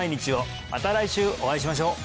また来週お会いしましょう！